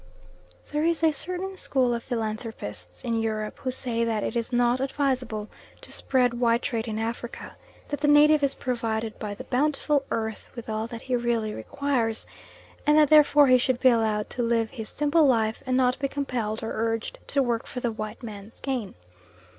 There is a certain school of philanthropists in Europe who say that it is not advisable to spread white trade in Africa, that the native is provided by the Bountiful Earth with all that he really requires, and that therefore he should be allowed to live his simple life, and not be compelled or urged to work for the white man's gain.